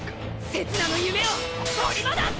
せつなの夢を取り戻す！